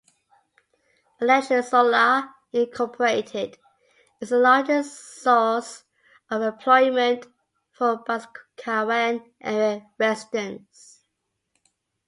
Elektrisola Incorporated is the largest source of employment for Boscawen-area residents.